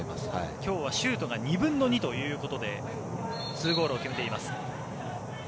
今日はシュートが２分の２ということで２ゴールを決めています。